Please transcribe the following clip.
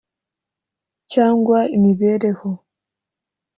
cyangwa imibereho